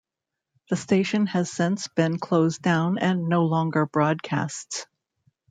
The station has since been closed down and no longer broadcasts.